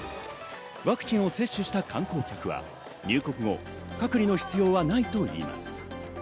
ワクチンを接種した観光客は入国後、隔離の必要はないといいます。